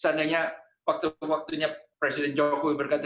seandainya waktu waktunya presiden jokowi berkata